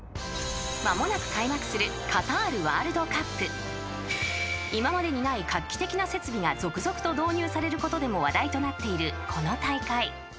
［間もなく開幕するカタールワールドカップ］［今までにない画期的な設備が続々と導入されることでも話題となっているこの大会］